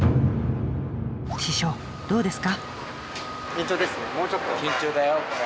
師匠どうですか？